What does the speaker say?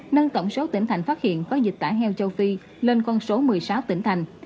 nâng tổng số tỉnh thành phát hiện có dịch tả heo châu phi lên con số một mươi sáu tỉnh thành